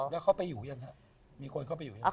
แล้วเขาไปอยู่ยังครับมีคนเข้าไปอยู่ยัง